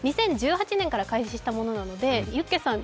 ２０１８年から開始したものなのでゆっケさん